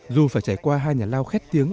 dù phải trải qua hai nhà lao khét tiếng